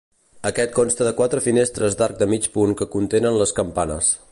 Aquest consta de quatre finestres d'arc de mig punt que contenen les campanes.